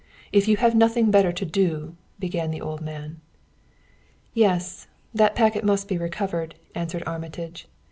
If you have nothing better to do " began the old man. "Yes; that packet must be recovered," answered Armitage.